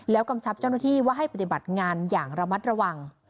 กำชับเจ้าหน้าที่ว่าให้ปฏิบัติงานอย่างระมัดระวัง